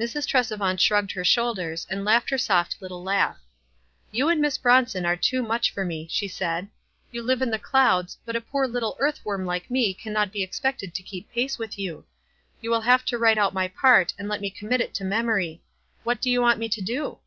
Mrs. Tresevaut shrugged her shoulders, and laughed her soft little laugh. "You and Miss Bronson are too much for me," she said. " You live in the clouds, but a poor little earth worm like me cannot be ex pected to keep pace with you. You will have to w T rite out my part, and let me commit it to memory. What do you want me to do